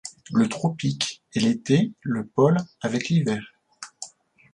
Le tropique et l’été, le pôle avec l’hiver.